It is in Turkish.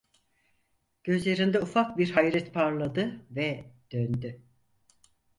Gözlerinde ufak bir hayret parladı ve döndü.